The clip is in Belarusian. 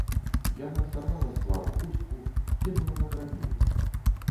Яна сарвала з твару хустку, кінула на драбіны.